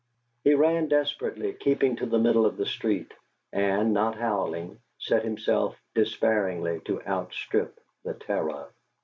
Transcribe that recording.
He ran desperately, keeping to the middle of the street, and, not howling, set himself despairingly to outstrip the Terror.